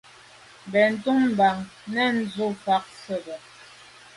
Benntùn bam, nèn dù’ fà’ sobe.